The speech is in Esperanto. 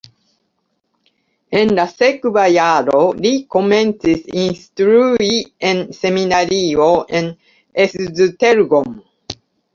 En la sekva jaro li komencis instrui en seminario en Esztergom.